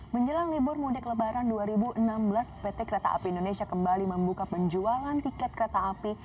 menjelang libur mudik lebaran dua ribu enam belas pt kereta api indonesia kembali membuka penjualan tiket kereta api